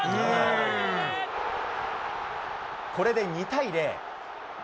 これで２対０。